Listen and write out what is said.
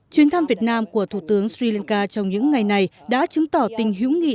chuyến thăm việt nam của thủ tướng sri lanka trong những ngày này đã chứng tỏ tình hữu nghị